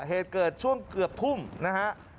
เหตุเกิดช่วงเกือบทุ่มนะฮะ